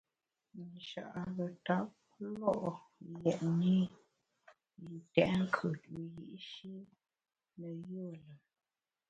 Nchare ntap lo’ yètne yi ntèt nkùt wiyi’shi ne yùe lùm.